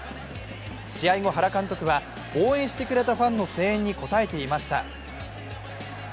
試合後、原監督は、応援してくれたファンの声援に応えていました。